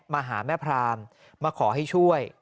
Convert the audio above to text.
มาหาแม่พรามมาขอให้ช่วย